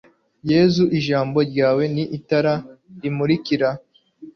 yezu ijambo ryawe ni itara, rimurikira